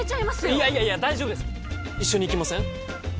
いやいやいや大丈夫です一緒に行きません？